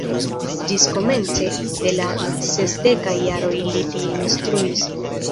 Ĝis komence de la sesdekaj jaroj li tie instruis.